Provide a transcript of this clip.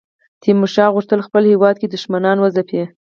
تیمورشاه غوښتل په خپل هیواد کې دښمنان وځپي.